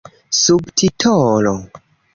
subtitolo